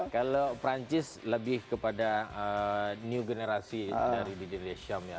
kalau perancis lebih kepada new generasi dari didi desiam ya